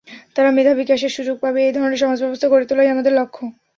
তারা মেধা বিকাশের সুযোগ পাবে—এ ধরনের সমাজব্যবস্থা গড়ে তোলাই আমাদের লক্ষ্য।